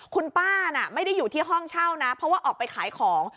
คุณป้าน่ะไม่ได้อยู่ที่ห้องเช่านะเพราะว่าออกไปขายของ